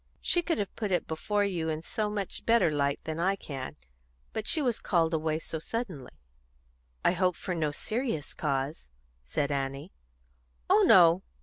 She could have put it before you in so much better light than I can. But she was called away so suddenly." "I hope for no serious cause," said Annie. "Oh no!